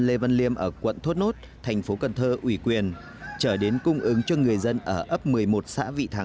lê văn liêm ở quận thốt nốt thành phố cần thơ ủy quyền chở đến cung ứng cho người dân ở ấp một mươi một xã